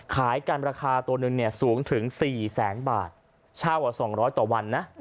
ขายกันราคาตัวหนึ่งเนี่ยสูงถึง๔แสนบาทเช่า๒๐๐ต่อวันนะ